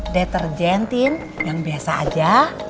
detergentin yang biasa aja